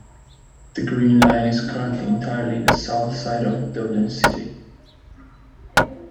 The Green Line is currently entirely in the south side of Dublin city.